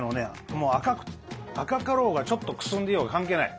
もう赤かろうがちょっとくすんでいようが関係ない。